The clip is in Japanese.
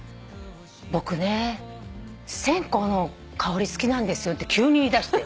「僕ね線香の香り好きなんですよ」って急に言いだして。